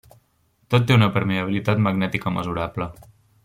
Tot té una permeabilitat magnètica mesurable.